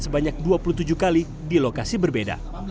sebanyak dua puluh tujuh kali di lokasi berbeda